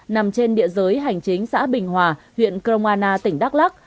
nằm trên địa giới hành chính xã bình hòa huyện kroana tỉnh đắk lắc